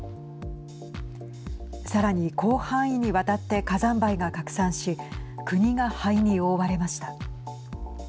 さらに広範囲にわたって火山灰が拡散し国が灰に覆われました。